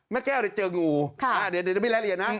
แม่แก้วเดี๋ยวเจองูเดี๋ยวพี่และเรียนนะ